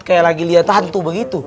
kayak lagi lihat hantu begitu